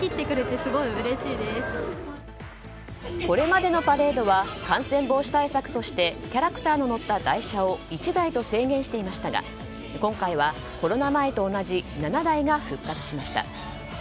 これまでのパレードは感染防止対策としてキャラクターの乗った台車を１台と制限していましたが今回は、コロナ前と同じ７台が復活しました。